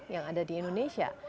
yang ada di indonesia